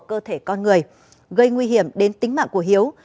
cơ thể con người gây nguy hiểm đến tính mạng của hiếu